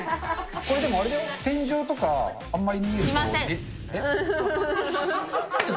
これでもあれだよ、天井とか、あんまり見えると。